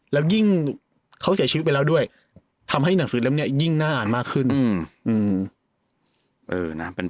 แล้วยิ่งเขาเสียชีวิตไปแล้วด้วยทำให้หนังสือเล่มนี้ยิ่งน่าอ่านมากขึ้น